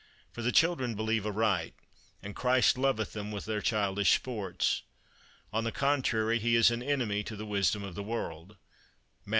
For the children believe aright, and Christ loveth them with their childish sports. On the contrary, he is an enemy to the wisdom of the world (Matt.